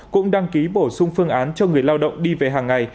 cũng đăng ký bổ sung phương án cho người lao động đi về hàng ngày